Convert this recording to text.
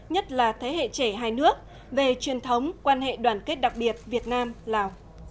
nhất là thế hệ trẻ hai nước về truyền thống quan hệ đoàn kết đặc biệt việt nam lào